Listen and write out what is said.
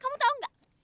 kamu tau gak